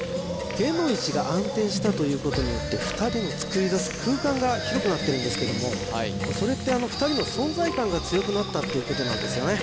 手の位置が安定したということによって２人のつくりだす空間が広くなってるんですけどもそれってあの２人の存在感が強くなったっていうことなんですよね